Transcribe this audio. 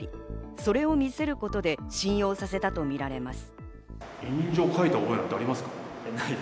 それを見せることで信用させたとみられます。